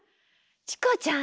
チコちゃん